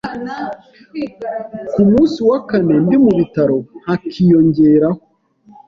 ku munsi wa kane ndi mu bitaro hakiyongeraho